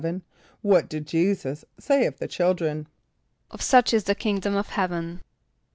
= What did J[=e]´[s+]us say of the children? =Of such is the kingdom of heaven.